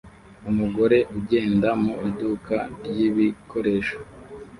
Umugore ugenda mu iduka ryibikoresho